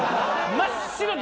真っ白。